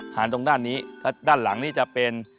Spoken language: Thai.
ตรงด้านนี้ด้านหลังนี้จะเป็น